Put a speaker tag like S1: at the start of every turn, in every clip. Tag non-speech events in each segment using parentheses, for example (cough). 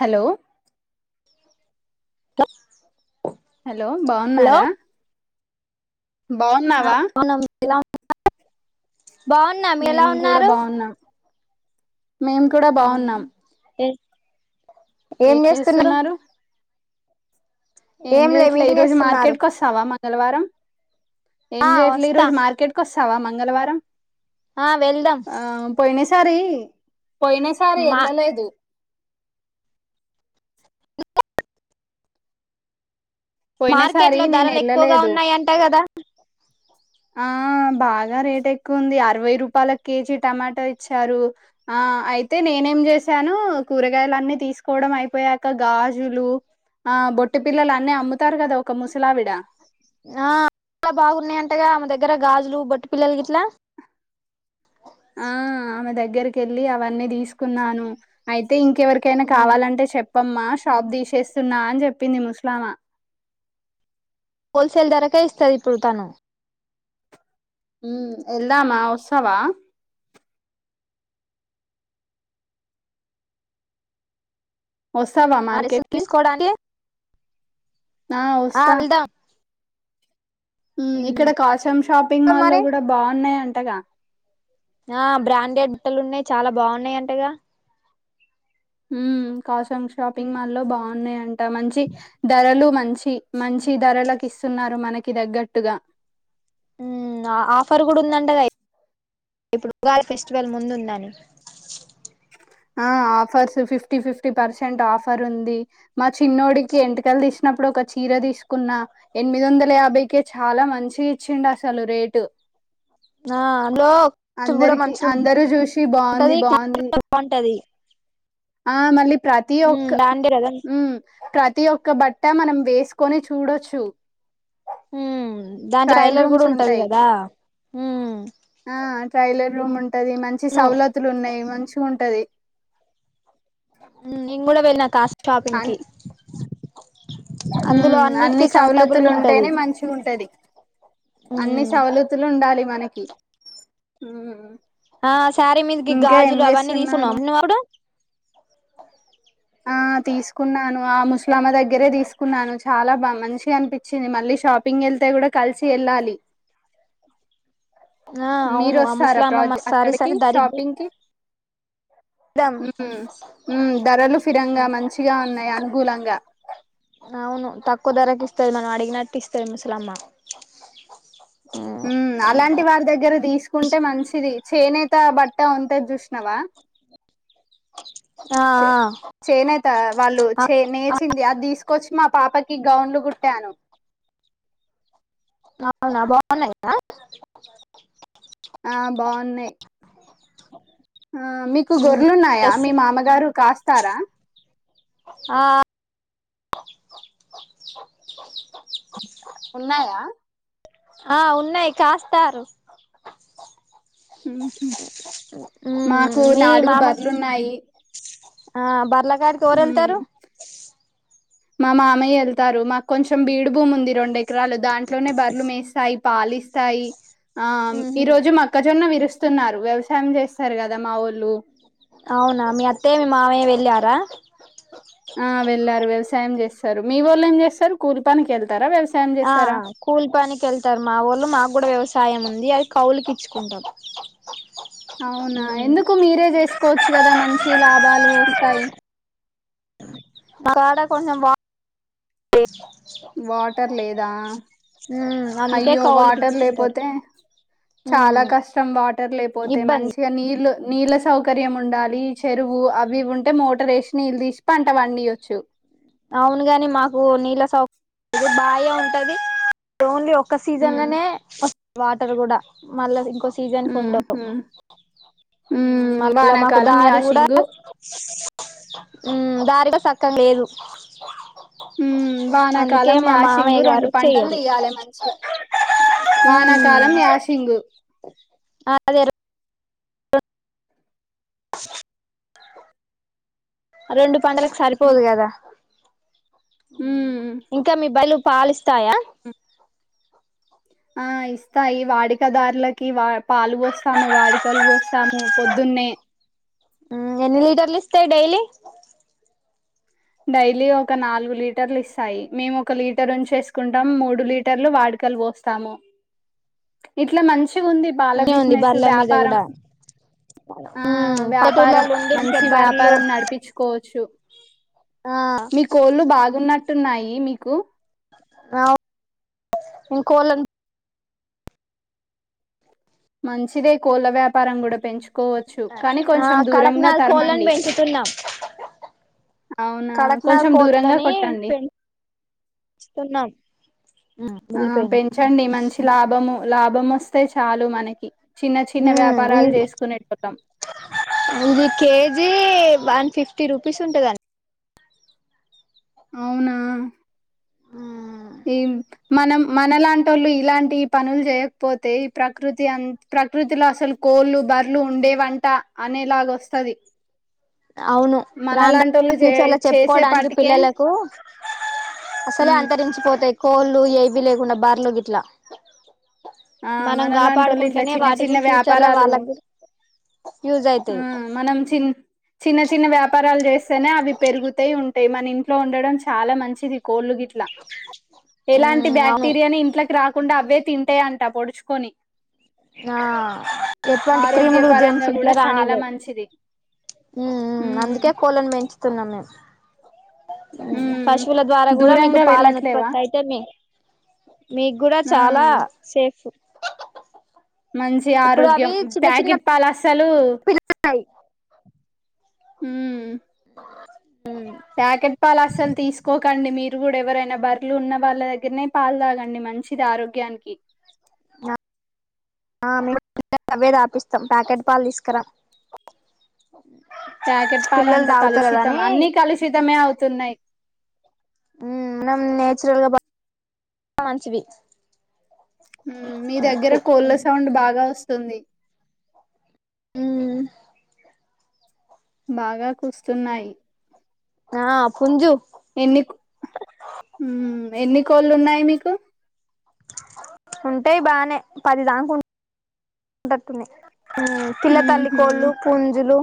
S1: Hello
S2: (inaudible)
S1: hello
S2: hello
S1: బాగున్నారా బావున్నావా
S2: ఇలా (unintelligible) బావున్నాం ఎలా
S1: మేము
S2: ఉన్నారు
S1: మేం కూడా బావున్నాం ఏం చేస్తున్నారు ఏం
S2: లే
S1: చేయట్లే ఈ
S2: మీరేం
S1: రోజు
S2: చేస్తున్నారు
S1: మార్కెట్కి వస్తావా మా మంగళవారం ఏం
S2: ఆ
S1: చేయట్లే
S2: వస్తా
S1: ఈరోజు మార్కెట్కి వ స్తవా మంగళవారం
S2: ఆ వెళ్దాం
S1: సారి పోయిన సారి
S2: మా
S1: ఎళ్ళలేదు పోయినసారి
S2: మార్కెట్లో
S1: నేను
S2: ధరలు ఎక్కువగా
S1: వెళ్ళలేదు
S2: ఉన్నాయంట కదా
S1: ఆ బాగా రేట్ ఎక్కువుంది అరవై రూపాయల కేజీ టమాటా ఇచ్చారు ఆ అయితే నేనేం చేసాను కూరగాయలు అన్నీ తీసుకోవడం అయిపోయాక గాజులు ఆ బొట్టు బిల్లలు అన్నీ అమ్ముతారు కదా ఒక ముసలావిడ
S2: ఆ చాల బాగున్నాయ్ అంటగా ఆమె దగ్గర గాజులు బొట్టుబిల్లలు గిట్లా
S1: ఆ ఆమె దగ్గరకి కెళ్ళి అవన్నీ తీసుకున్నాను అయి అయితే ఇంకెవరికైనా కావాలంటే చెప్పమ్మా షాప్ తీషేస్తున్నా అని చెప్పింది ముస్లామా
S2: హోల్సేల్ ధరకే ఇస్తంది ఇప్పుడు తను
S1: హ్మ్ ఎల్దామా వస్తావా వస్తావా
S2: ఆ డ్రెస్సులు
S1: మార్కెట్కి
S2: తీసుకోవడానికి
S1: ఆ వస్తా హ్మ్ ఇక్కడ కషం షాపింగ్ మాల్ల్లో
S2: మరి
S1: కూడా బాగున్నాయ్ అత్తగా
S2: ఆ బ్రాండెడ్ బట్టలు ఉన్నాయి చాలా బాగున్నాయి అంటగా
S1: హ్మ్ కాసం షాపింగ్ మాల్ల్లో బాగున్నాయ అంట మంచి ధరలు మంచి మంచి ధరలకు ఇస్తున్నారు మనకి దగ్గట్టుగా
S2: హ్మ్ ఆ ఆఫర్ కూడా ఉందంటాగ ఇప్పుడు ఉగాది ఫెస్టివల్ ముందుందని
S1: ఆ offers fifty fifty percent offer ఉంది మ చిన్నోడికి ఎంటికలు తీసినప్పుడు ఒక చీర తీసుకున్నా ఎనిమిది వందల యాభైకే చాలా మంచి ఇచ్చిండు అసలు రేటు
S2: అందులో కూడా
S1: అందరికి
S2: మంచి
S1: అందరూ చూసి బాగుంది
S2: ఉంటది
S1: బాగుంది
S2: క్లోత్ బాగుంటది
S1: ఆ మళ్ళీ ప్రతి
S2: ఉమ్
S1: ఒక్క
S2: దాంటే కదా
S1: హ్మ్ ప్ర ప్రతి ఒక్క బట్ట మనం వేసుకొని చూడొచ్చు
S2: హ్మ్ దాంట్లా
S1: ట్రయల్
S2: టైలర్ కూడా
S1: రూమ్స్
S2: ఉంటది
S1: ఉంటాయి
S2: కదా హ్మ్
S1: ట్రయిలర్ రూమ్ ఉం ఉంటది మంచి సవలతులు ఉన్నాయి మంచిగా ఉంటాది
S2: హ్మ్ నేను కూడా వెళ్లిన కాస్ షాపింగ్కిి
S1: హ్మ్ అన్ని
S2: కంఫర్టబుల్
S1: సవలతులు
S2: గా ఉంటది
S1: ఉంటేనే మంచి ఉంటది అన్ని
S2: ఉమ్
S1: సవలతులు ఉండాలి మనకి హ్మ్
S2: ఆ శారీ మీదకి గాజులు అవన్నీ
S1: చేస్తున్నారు
S2: తీసుకున్నావ నువ్ అప్పుడు
S1: ఆ తీసుకున్నాను ఆ ముస్లామా దగ్గరే తీసుకున్నాను చాలా బా మంచిగా అనిపిం వచ్చింది మళ్ళీ షాపింగ్ ఎళ్తే కూడా కలిసి ఎళ్ళాలి
S2: ఆ అవును ఆ ముస్లాలమ్మమ్మ సారి సారి దారికి
S1: హ్మ్ ధరలు సిరంగా మంచిగా ఉన్నాయి. అనుకూలంగా
S2: అవును తక్కువ ధరకి ఇస్తాది. మనం అడిగినట్టి ఇస్తది. ముసలమ్మ
S1: ఉమ్ అలాంటి వారి దగ్గర తీసుకుంటే మంచిది. చేనేత బట్ట ఉంటది. జుష్నవా
S2: ఆ
S1: చే చేనేత వాళ్ళు
S2: ఆ
S1: చే నేచింది. అది తీసుకు కోచ్చి మా పాపకి గౌన్లు కుట్టాను.
S2: అవునా బాగున్నాయ
S1: అ బాగున్నాయ్. ఆ మీకు
S2: ఉమ్
S1: గొర్రెలున్నాయా,
S2: డ్రెస్
S1: మీ మామగారు కాస్తారా
S2: ఆ
S1: ఉన్నయా
S2: ఆ ఉన్నాయి. కాస్తారు.
S1: ఉమ్ మాకు నాలుగు బర్లు ఉన్నాయి.
S2: అహ్ బార్లక్ కాయడానికి ఎవరు వెళ్తారు.
S1: మా మామయ్య వెళ్తారు. మాకు కొంచెం బీడు భూమి ఉంది. రెండు ఎకరాలు దాంట్లోనే బర్రలు మేస్తాయి. పాలిస్తాయి. ఆ ఈ రోజు మా అక్క జొన్న విరుస్తున్నారు. వ్యవసాయం చేస్తారు. కదా మావోల్లు
S2: అవునా మీ అత్తయ్య, మీ మావయ్య వెళ్ళి గా
S1: ఆ వెళ్ళారు వ్యవసాయం చేస్తారు మీ వోళ్ళు ఏం చేస్తారు కూలి పనికి కెల్
S2: ఆ ఆ కూల్ పనికెళ్తారు. మావోళ్లు మా కూడా వ్యవసాయమ్ సాయం ఉంది. అది కవుల్కి ఇచ్చుకుంటాం.
S1: అవునా ఎందుకు మీరే చేసుకోవచ్చు. గద మంచి లాభాలు వస్తాయి.
S2: మకాడ కొంచం వా (unintelligible)
S1: వాటర్ లేదా
S2: మ్మ్ అందుకే
S1: అయ్యో
S2: కౌలుకి
S1: వాటర్
S2: ఇచ్చుకుంటారు
S1: లేపోతే చాలా
S2: మ్మ్
S1: కష్టం. వాటర్ సర్లే పోతే
S2: ఇబ్బంది
S1: మంచిగా నీళ్లు నీళ్ళ సౌకర్యం ఉండాలి. చెరువు అవిఇవి ఉంటే మోటర్ ఏషి నీల్ దిశి పంట పండియొచ్చు.
S2: అవును గాని మాకు నీళ్ళ సౌకర్యం బాగా ఉంటది. ఓన్లీ ఒక
S1: ఉమ్
S2: సీజన్ల్నే వాటర్ కూడా మల్ల ఇంకొస్ సీజన్ కు ఉండవు.
S1: ఉమ్హు.
S2: ఊమ్
S1: ఉమ్,
S2: మళ్ళ మాకు
S1: వానాకాలం
S2: దారి కూడా
S1: యాషింగు
S2: ఉమ్ దారి గూడ సకెం లేదు
S1: ఉమ్
S2: అందుకే
S1: వానాకాలం
S2: మా
S1: యాసింగు
S2: మామయ్య
S1: రెండు
S2: గారు
S1: పంటలు
S2: చెయ్యరు
S1: తీయాలే మంచిగా వానాకాలం
S2: ఉమ్
S1: యాసింగు
S2: అదే రెండు పంటలకు సరిపోదు కదా ఇంకా మీ బయలు పాలిస్తాయా
S1: ఉమ్ ఆ ఇస్తాయి వాడికదారులకి వా పాలు పోస్తాము వాడికలు పోస్తాము పొద్దున్నే
S2: ఊమ్ ఎన్ని లీటర్లు ఇస్తాయి డైలీ
S1: డైలీ ఒక నాలుగు లీటర్లు ఇస్తాయి మేము, ఒక లీటర్ ఉంచేసుకుంటాం మూడు లీటర్లు వాడుకలు పోస్తాము ఇట్లా మంచి గుంది పాల
S2: అనే ఉంది
S1: బిజినెస్
S2: బర్ల మీద
S1: వ్యాపారం.
S2: కూడా
S1: ఆ
S2: ఉమ్
S1: వ్యాపారం
S2: పల్లెటూర్లలో ఉండి మంచిగా
S1: మంచి
S2: బర్లు
S1: వ్యాపారం నడిపిచుకోవచ్చు
S2: ఆ
S1: మీ కోళ్ళు బాగున్నట్టు టున్నున్నాయి మీకు
S2: ఆ కోళ్లను
S1: మంచిదే కోళ్ళ వ్యాపారం కూడ పెంచు
S2: ఆ కడక్నాల్ కోళ్ళని
S1: తరమండి
S2: పెంచుతున్నాం
S1: అవునా
S2: కడక్నాల్
S1: కొంచెం దూరంగా
S2: కోళ్ళని
S1: కొట్టండి
S2: పెంచు తున్నాం
S1: ఆ పెంచండి మంచి లాభము లభం వస్తే చాలు మనకి చిన్న చిన్న
S2: హ ఈ
S1: వ్యాపారాలు చేసుకునేటోళ్ళం
S2: ఇది KG one fifty fifty rupees ఉంటుదండి
S1: అవునా అహ్
S2: ఉమ్
S1: ఎం మనం మనలాంటోళ్ళు ఇలాంటి పనులు చేయకపోతే ఈ ప్రకృతి అం ప్రకృతిలో అసలు కోళ్ళు బర్లు ఉండే వంట అనేలాగ వస్తది
S2: అవును రాని
S1: మనలాంటోళ్ళు
S2: రాను
S1: చే
S2: ఫ్యూచర్ లో చెప్పుకోవడానికి
S1: చేసేపాటికే
S2: పిల్లలకు అసలే
S1: మ్
S2: అంతరించిపోతు త్ కోళ్ళు ఏవి లేకుండా బర్లు గిట్ల
S1: ఆ మనలంటోలు ఇట్లా చిన్న
S2: వాటిని
S1: చిన్న
S2: ఫ్యూచర్ లో
S1: వ్యాపారాలు
S2: వాళ్ళకి యూజ్ అయితాయి
S1: ఉమ్ మనం చిన్ చిన్న చిన్న వ్యాపారాలు చేస్తేనే అవి పెరుగుతాయి ఉంటాయి మన ఇంట్లో ఉండడం చాలా మంచిది కోళ్ళు గిట్లా ఎలాంటి
S2: ఉమ్ అవును
S1: బ్యాక్టీరియాని ఇంట్లకి రాక కుండా అవే తింటాయం ట్టా పొడుచుకొని
S2: ఆ ఎటువంటి క్రీములు
S1: ఆరోగ్యపరంగా
S2: జమ్స్
S1: కూడా
S2: గిట్లా
S1: చాలా
S2: రానివవ్
S1: మంచిది
S2: ఉమ్ ఉమ్
S1: మ్
S2: అందుకే కోళ్ళలను పెంచుతున్నాం మేం ఊ
S1: ఉమ్
S2: పశువుల ద్వారా కూడా మీకు
S1: దూరంగా
S2: పాలను
S1: వెళ్ళట్లేవా
S2: ఉత్పత్తి అయితే మీ స మీకు కూడా చాలా
S1: ఉమ్
S2: సేఫ్
S1: మంచి ఆరోగ్యం ప్యాకెట్ పాల్ అసలు
S2: పిల్ల కై
S1: మ్మ్ ప్యాకెట్ పాల అసలు తీసుకోకండి మీ కూడా ఎవరైనా బర్లు ఉన్న వాళ్ళ దగ్గరనే పాలు తాగండి మంచిది ఆరోగ్యానికి
S2: ఆ ఆ మే అవ్వే తపిస్తాం ప్యాకెట్ పాలు తీసుకురాం
S1: ప్యాకెట్
S2: పిల్లలు
S1: పాలంతా
S2: తాగుతారు కదా
S1: కలుషితం
S2: అని
S1: అన్ని కలుషితమే అవుతున్నాయి
S2: మ్ నమ్ న్యాచురల్గా బ మంచివి
S1: మీ దగ్గర కోళ్ళ సౌండ్ బాగా వస్తుంది తుంది బాగా కూస్తున్నాయి
S2: ఆ ఫుంజు
S1: ఎన్ని కో మ్ ఎన్ని కోళ్ళు ఉన్నాయి మీకు
S2: ఉంటేయి బానే పది దాక ఉన్నట్టున్నాయి పిల్ల తల్లి
S1: ఉహు
S2: కోళ్ళు పుంజులు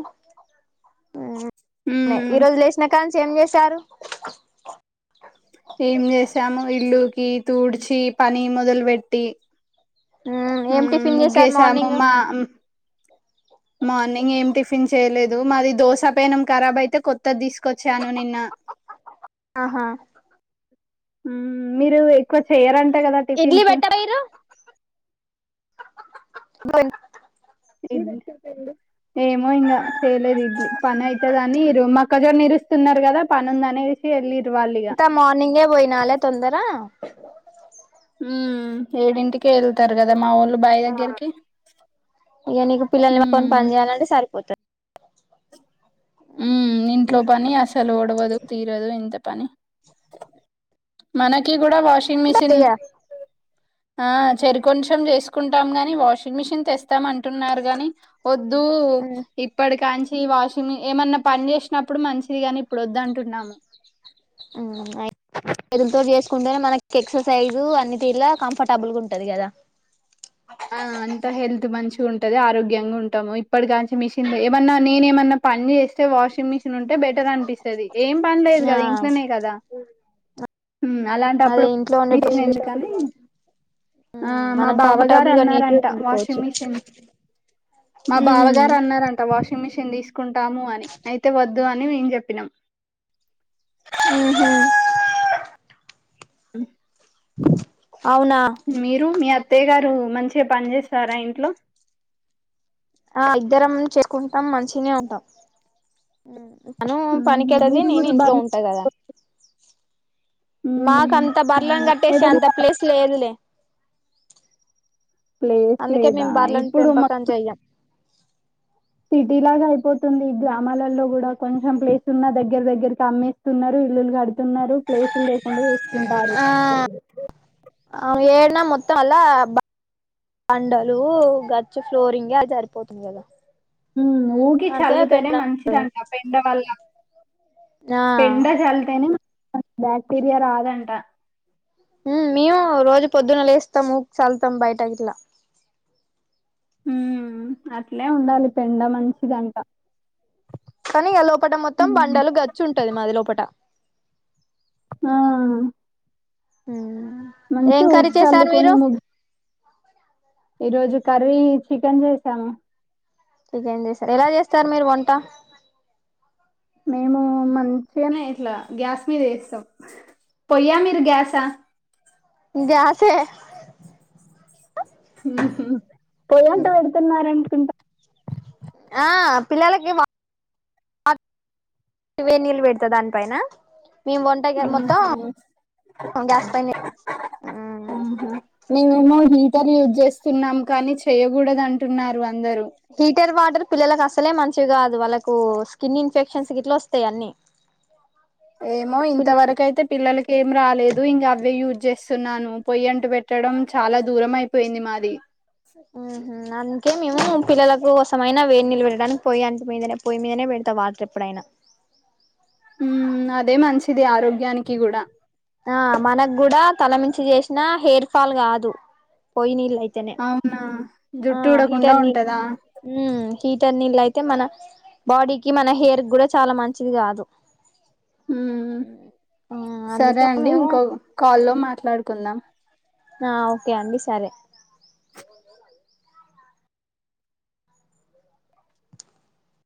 S2: న
S1: ఉమ్
S2: ఈ రోజు లేష్నాకాన్ ఏం చేశారు
S1: ఏం చేసాము ఇల్లుకి ఊకి తూడ్చి ఈ పని మొదలు పెట్టి
S2: మ్ ఏం
S1: హ్మ్
S2: టిఫిన్ చేసారు
S1: ముగ్గేసాము
S2: మార్నింగ్
S1: మా మార్నింగ్ ఏం టిఫిన్ చేయలేదు మాది దోస పెనం కరాబ్ అయితే కొత్తది తీసుకొచ్చ చాను నిన్న
S2: ఆహా
S1: మీరు ఎక్కువ చేయరంట కదా
S2: ఇడ్లీ
S1: టిఫిన్స్
S2: పెట్టపోయిరు బన్
S1: ఏ (unintelligible) ఏమో ఇంకా చేయలేదు ఇడ్లీ పని ఐవయితదని ఈ రుమ ఒక్కజొనిరుస్తున్నరు కదా పనుందనేసి వెళ్ళన్
S2: అంత మార్నింగే పోయినాలే తొందర
S1: మ్ ఏడింటికీ కెళ్తారు కదా మా వోళ్ళు బాయ దగ్గరికి
S2: ఇక నీకు పిల్లల్ని పని
S1: మ్
S2: పని చేయాలంటే
S1: మ్ ఇంట్లో పని అసలు ఒడవదు తీరదు ఇంత పని మనకి కూడా వాషింగ్ మిషిన్
S2: సరిపోతుంది
S1: ఆ చెరి కొంచెం చేసుకుంటాం గాని వాషింగ్ మిషిన్ తెస్తాం అంటున్నారు గాని వద్దు ఇప్పటికాంచీ ఈ వాషింగ్ ని ఏమన్నా పని చేసినప్పుడు మంచిది కాని ఇప్పుడు వద్ద అంటున్నాము
S2: అ (unintelligible) దుతో చేసుకుంటేనే మనకి ఎక్సర్సైజ్ అన్ని తీరుల కంఫర్టబుల్గా ఉంటది కదా
S1: ఆ అంత హెల్త్ మంచిగా ఉంటది ఆరోగ్యంగా ఉంటము ఇప్పటి కాంచి మిషన్ ఏమన్నా నేను ఏమన్నా పని చేస్తే వాషింగ్ మిషన్ ఉంటే బెటర్ అనిపిస్తది ఏం పనిలేదు
S2: ఆ
S1: కదా ఇంట్లనే కదా ఉం
S2: అదే
S1: అలాంటప్పుడు
S2: ఇంట్లో ఉండే
S1: మిషన్
S2: డ్రెస్సింగ్
S1: ఎందుకని ఆ మా
S2: మనం
S1: బావగారు
S2: కంఫర్టబుల్ గా నీట్గా
S1: అన్నారంట
S2: ఉండిపోవచ్చు
S1: వాషింగ్ మెషిన్ మా
S2: ఉహు
S1: బావగారు అన్నారంట వాషింగ్ మెషిన్ తీసుకొంటామని అయితే వద్దు అని మేం చెప్పినం
S2: ఊహ్మ్
S1: ఉ
S2: అవునా
S1: మీరు మీ అత్తయ్య గారు మంచిగా పని చేస్తారా ఇంట్లో
S2: ఆ ఇద్దరం చేసుకుంటాం మంచిగనే ఉంటాం. తను
S1: ఉహు
S2: పనికెల్లేది
S1: మీరు
S2: నేను
S1: కూడా
S2: ఇంట్లో
S1: బర్లు
S2: ఉంటా కదా మాకు
S1: ఉమ్
S2: అంత బర్లను
S1: అవును
S2: కట్టేసి అంత
S1: ఏదైనా
S2: ప్లేస్ లేదులే
S1: ప్లేస్
S2: అందుకే
S1: లేదా
S2: మేము బర్లను
S1: ఇప్పుడు మా
S2: పెంపకం చెయ్యం
S1: సిటీ లాగా అయిపోతుంది ఈ గ్రామాలలో కూడా కొంచెం ప్లేస్ ఉన్న దగ్గర దగ్గరకి అమ్మేస్తున్నారు ఇల్లులు కడు ఉన్నారు ప్లేసులు లేకుండా చేసుకుంటారు
S2: ఆ అన్న మొత్తం అలా బండలు గచ్చ ఫ్లోరింగ్ అది సరిపోతుంది కదా
S1: ఊగి
S2: అందుకే
S1: చల్లుతేనే
S2: పెండ్లం
S1: మంచిదంట పెండ వల్ల
S2: ఆ
S1: పెండా చలతేనే బ్యాక్టీరియా రాదంట
S2: ఊమ్ మేము రోజు పొద్దున లేేస్తాం ఊ చల్తాం బయట ఇట్లా
S1: ఊమ్ అట్లే ఉండాలి పెండ మంచి ఇదంట
S2: కానీ ఇగ లోపట మొత్తం బండలు గచుంటది మాది లోపట
S1: ఆ
S2: ఊమ్
S1: మంచి (unintelligible) ఉచ్చుల్లుకొని ఈ రోజు కర్రీ చికెన్ చేసాము
S2: ఇకేం చేస్తారు ఎలా చేస్తారు మీరు వంట
S1: మేము మంచిగానే ఇట్లా గ్యాస్ మీద వేస్తాం పొయ్యా మీది గ్యాస
S2: గ్యాసే
S1: ఊహ్మ్ పోయంట పెడుతున్నార అనుకుంట
S2: ఆ పిల్లల కి వా వే నీళ్ళు పెడతా దానిపైన మేము వంట గా
S1: ఆహా
S2: మొత్తం గ్యాస్ పైనే ఉమ్.
S1: మేము హీటర్ యూజ్ చేస్తున్నాము కానీ చేయ్యకూడద అం టున్నారు అందరు
S2: హిటర్ వాటర్ పిల్లలకు అసలే మంచివి కాదు వాళ్ళకు స్కిన్ ఇన్ఫెక్షన్స్ గిట్ల వస్తాయి అన్నీ.
S1: ఏమో ఇంత వరకైతే పిల్లలకి ఏం రాలేదు ఇంకా అవే యూజ్ చేస్ స్తున్నాను పొయ్యి అంటు పెట్టడం చాలా దూరం అయిపోయింది మాది
S2: ఉహు అందుకే మేము పిల్లల కోసమైనా వేడి నీళ్లు పెట్టడానికి పోయి అంటు మీదనే పోయి మీదనే పెడతా వాటర్ ఎప్పుడైనా
S1: ఉమ్ అదే మంచిది ఆరోగ్య
S2: ఆ మనకు గూ కూడా తలమించి చేసిన హెయిర్ ఫాల్ కాదు పోయి నీళ్ళు అయి
S1: అవునా జుట్టు ఊడకుండా ఉంటదా
S2: చన్నీలైయితే మన బాడీకి మన హెయిర్ కూడా చాలా మంచిది కాదు
S1: ఉమ్
S2: ఉ
S1: సరే అండి ఇంకో కాల్లో మాట్లా పడుకుందాం
S2: ఆ ఓకే అండి సరే